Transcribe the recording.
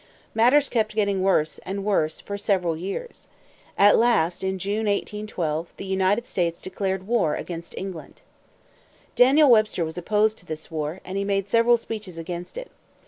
Matters kept getting worse and worse for several years. At last, in June, 1812, the United States declared war against England. Daniel Webster was opposed to this war, and he made several speeches against it.